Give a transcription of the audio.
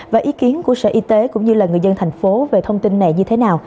và ý kiến của sở y tế cũng như là người dân thành phố về thông tin này như thế nào